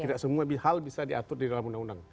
tidak semua hal bisa diatur di dalam undang undang